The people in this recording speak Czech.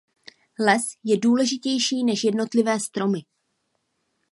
Les je důležitější než jednotlivé stromy.